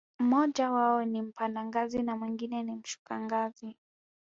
mmoja wao ni mpanda ngazi na mwingine ni mshuka ngazi.